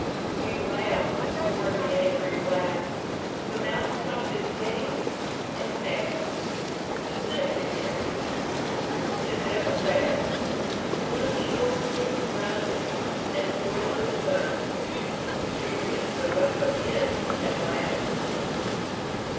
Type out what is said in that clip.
We laugh to scorn the angry blast, The mountain top is gained and past. Descent begins, 't is ever fast—One short quick run, and toil is done, We reach the welcome inn at last.